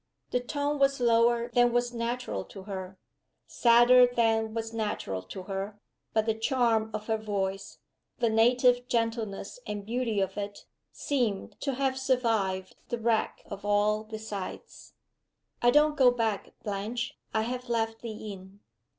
The tone was lower than was natural to her; sadder than was natural to her but the charm of her voice, the native gentleness and beauty of it, seemed to have survived the wreck of all besides. "I don't go back, Blanche. I have left the inn."